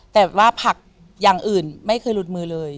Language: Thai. แต่ว่าผักอย่างอื่นไม่เคยหลุดมือเลย